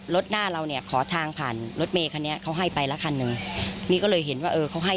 แล้วเขาก็เปิดไฟ